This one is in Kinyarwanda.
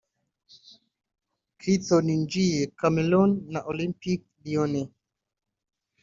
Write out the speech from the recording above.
Clinton N’jie (Cameroon na Olympique Lyon)